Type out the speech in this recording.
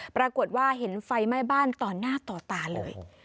ปรากฏว่าเห็นไฟไหม้บ้านต่อหน้าต่อตาเลย